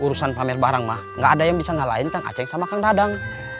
urusan pamer barang mah gak ada yang bisa ngalahin kang aceh sama kang dadang